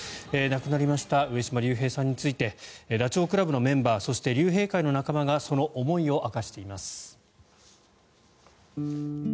亡くなりました上島竜兵さんについてダチョウ倶楽部のメンバーそして竜兵会の仲間がその思いを明かしています。